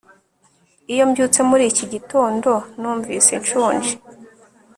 Iyo mbyutse muri iki gitondo numvise nshonje